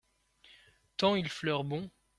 Tant il fleure bon !